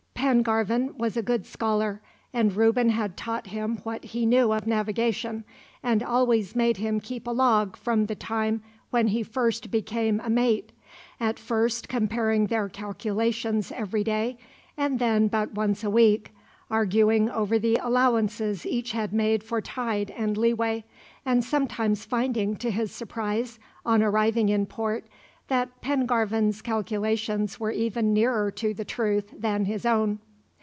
Pengarvan was a good scholar, and Reuben had taught him what he knew of navigation, and always made him keep a log from the time when he first became a mate; at first comparing their calculations every day, and then but once a week; arguing over the allowances each had made for tide and leeway; and sometimes finding to his surprise, on arriving in port, that Pengarvan's calculations were even nearer to the truth than his own.